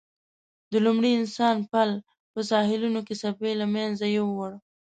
د لومړي انسان پل په ساحلونو کې څپې له منځه یووړ.